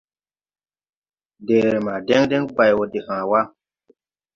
Deere ma dɛŋ dɛŋ bay wo de haa wa.